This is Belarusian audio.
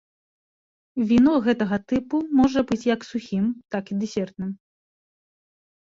Віно гэтага тыпу можа быць як сухім, так і дэсертным.